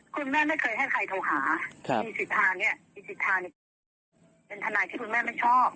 คุณแม่ไม่เคยให้ใครโทรหามีสิทธาเนี่ยเป็นทนัยที่คุณแม่ไม่ชอบ